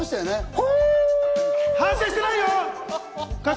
フォ！反省してないよ。